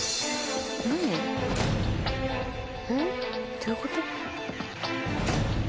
どういうこと？